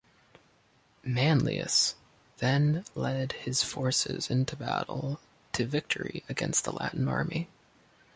Manlius then led his forces into battle to victory against the Latin army.